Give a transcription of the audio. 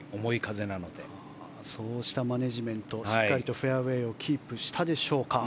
そうしたマネジメントでしっかりとフェアウェーをキープしたでしょうか。